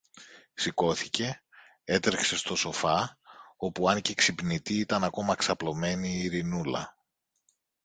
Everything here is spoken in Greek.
Σηκώθηκε, έτρεξε στο σοφά όπου, αν και ξυπνητή, ήταν ακόμα ξαπλωμένη η Ειρηνούλα.